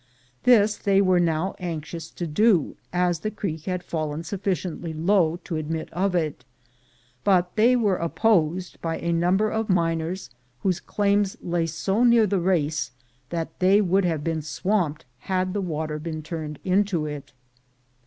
This they were now anxious to do, as the creek had fallen sufficiently low to admit of it; but they were opposed by a number of miners whose claims lay so near the race that they would have been swamped had the water been turned into it.